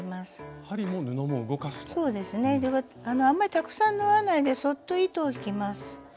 あんまりたくさん縫わないでそっと糸を引きます。